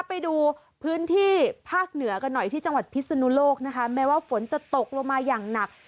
ไปดูพื้นที่ภาคเหนือกันหน่อยที่จังหวัดพิศนุโลกนะคะแม้ว่าฝนจะตกลงมาอย่างหนัก